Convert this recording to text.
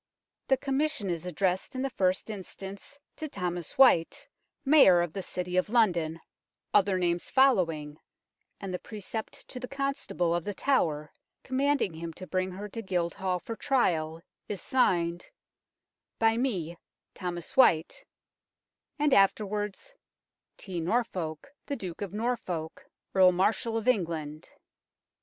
The Commission is addressed in the first instance to Thomas Whyte, Mayor of the City of London, other 162 UNKNOWN LONDON names following, and the Precept to the Con stable of The Tower, commanding him to bring her to Guildhall for trial, is signed " By me Thomas Whyte," and afterwards, " T. Norfolk " the Duke of Norfolk, Earl Marshal of England.